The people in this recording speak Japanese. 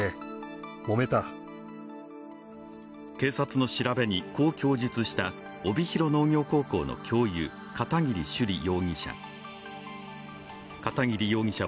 警察の調べに、こう供述した帯広農業高校の教諭片桐朱璃容疑者。